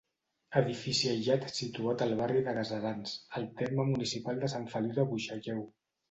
Edifici aïllat situat al barri de Gaserans, al terme municipal de Sant Feliu de Buixalleu.